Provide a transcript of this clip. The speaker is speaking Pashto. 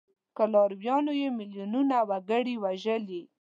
که لارویانو یې میلیونونه وګړي وژلي.